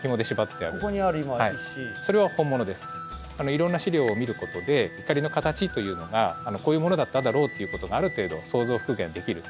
いろんな資料を見ることで碇の形というのがこういうものだっただろうっていうことがある程度想像復元できる。